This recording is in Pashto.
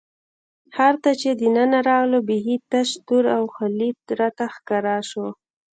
ښار ته چې دننه راغلو، بېخي تش، تور او خالي راته ښکاره شو.